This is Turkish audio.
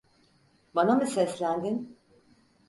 Bana mı seslendin?